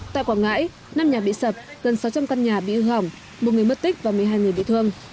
tại quảng ngãi năm nhà bị sập gần sáu trăm linh căn nhà bị hư hỏng một người mất tích và một mươi hai người bị thương